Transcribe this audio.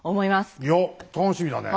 いや楽しみだね。